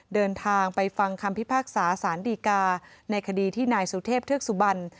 เดินทางไปฟังคำพิพากษาสารดีกาในคดีที่นายสุเทพเทือกสุบัน